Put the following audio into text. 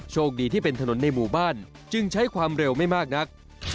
โชคดีที่เป็นถนนในหมู่บ้านจึงใช้ความเร็วไม่มากนัก